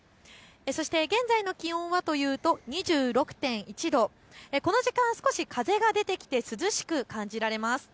そして現在の気温はというと２６．１度、この時間、少し風が出てきて涼しく感じられます。